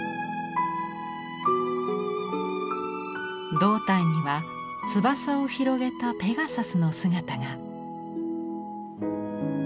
胴体には翼を広げたペガサスの姿が。